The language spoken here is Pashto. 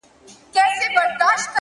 دا د نور په تلاوت بې هوښه سوی دی!